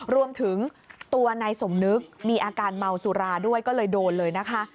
รวมถึงตัวนายสมนึกมีอาการเมาสุราด้วยก็เลยโดนเลยนะคะ